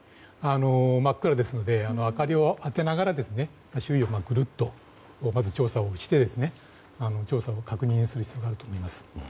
真っ暗ですので明かりを当てながら周囲をぐるっと調査をして確認する必要があると思います。